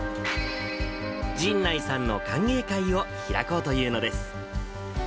神内さんの歓迎会を開こうというのです。